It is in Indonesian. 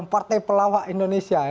partai pelawak indonesia